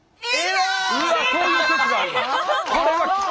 そういう説があります。